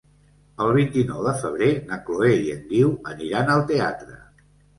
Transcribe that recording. El vint-i-nou de febrer na Chloé i en Guiu aniran al teatre.